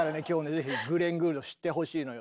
ぜひグレン・グールドを知ってほしいのよ。